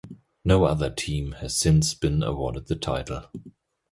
No other team has since been awarded the title.